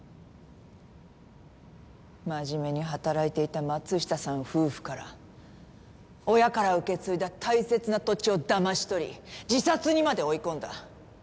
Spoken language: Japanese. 真面目に働いていた松下さん夫婦から親から受け継いだ大切な土地をだまし取り自殺にまで追い込んだ。